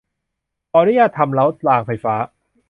ขออนุญาตทำรถรางไฟฟ้า